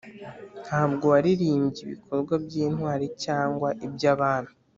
ntabwo waririmbye ibikorwa by'intwari cyangwa iby'abami;